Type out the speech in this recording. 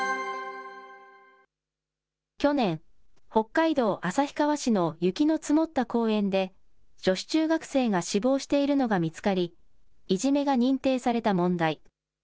去年、北海道旭川市の雪の積もった公園で、女子中学生が死亡しているのが見つかり、いじめが認定された問題。